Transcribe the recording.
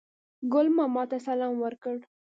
ګل ماما ته سلام ورکړ.